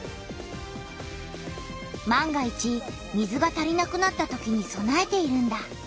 万が一水が足りなくなったときにそなえているんだ。